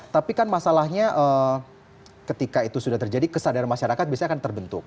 tapi kan masalahnya ketika itu sudah terjadi kesadaran masyarakat biasanya akan terbentuk